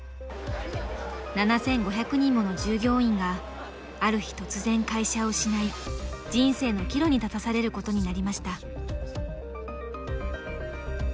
７，５００人もの従業員がある日突然会社を失い人生の岐路に立たされることになりました。